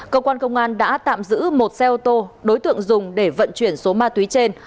công an đã tạm giữ một xe ô tô đối tượng dùng để vận chuyển số ma túy trên